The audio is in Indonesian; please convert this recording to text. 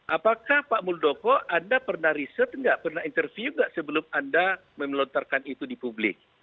apakah pak muldoko anda pernah riset nggak pernah interview nggak sebelum anda melontarkan itu di publik